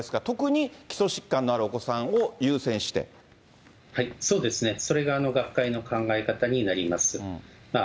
特に基礎疾患のあるお子さんを優そうですね、それが学会の考え方になります。